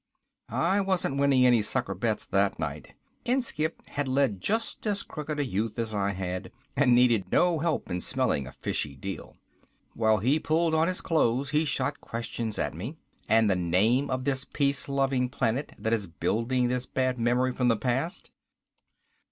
I wasn't winning any sucker bets that night. Inskipp had led just as crooked a youth as I had, and needed no help in smelling a fishy deal. While he pulled on his clothes he shot questions at me. "And the name of the peace loving planet that is building this bad memory from the past?"